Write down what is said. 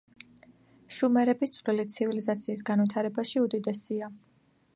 შუმერების წვლილი ცივილიზაციის განვითარებაში უდიდესია.